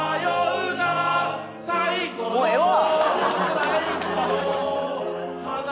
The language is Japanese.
「もうええわ！」